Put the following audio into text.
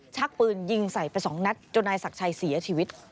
ชักปืนยิงใส่ไปสองนัดจนนายศักดิ์ชัยเสียชีวิต